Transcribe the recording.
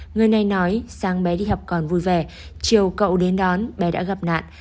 người này nói sáng bé đi học còn vui vẻ chiều cậu đến đón bé đã gặp nạn